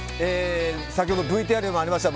先ほどＶＴＲにもありました